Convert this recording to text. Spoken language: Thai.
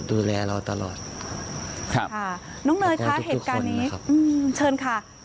ดูแลเราตลอดครับค่ะน้องเนยคะเหตุการณ์นี้อืมเชิญค่ะ